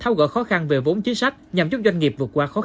tháo gỡ khó khăn về vốn chính sách nhằm giúp doanh nghiệp vượt qua khó khăn